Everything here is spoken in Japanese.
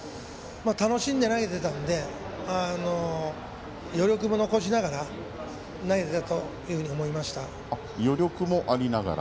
楽しんで投げていたので余力も残しながら投げていたと余力もありながら。